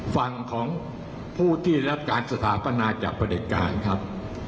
ฝั่งของผู้ที่รับการสถาปนาจากประเด็จการครับ